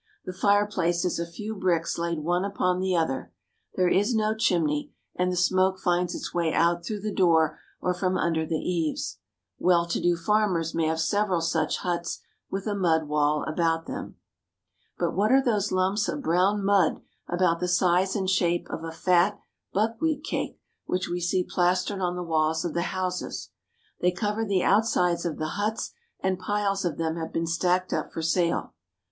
The fireplace is a few bricks laid one upon the other ; there is no chimney, and the smoke finds its way out through the door or from under the eaves. Well to do farmers may have several such huts, with a mud wall about them. But what are those lumps of brown mud about the size and shape of a fat buckwheat cake which we see plastered on the walls of the houses? They cover the outsides of the huts, and piles of them have been stacked up for sale.